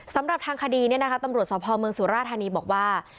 สำหรับทางคดีตำรวจสพเมืองสุราธานีบอกว่า